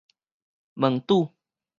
門拄